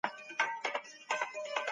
به دي ياده لرم